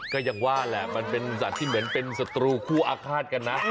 ก็ยังว่าแหละมันเป็นสัตว์ที่เหมือนเป็นศัตรูคู่อาฆาตกันนะ